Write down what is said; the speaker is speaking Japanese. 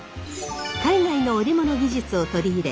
海外の織物技術を取り入れ